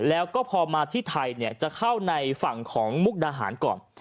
แล้วก็พอมาที่ไทยจะเข้าในฝั่งของมุกดาหารก่อน